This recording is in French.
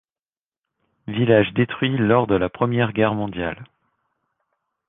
Village détruit lors de la Première Guerre mondiale.